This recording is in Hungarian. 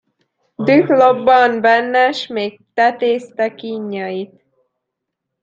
Düh lobbant benne, s még tetézte kínjait.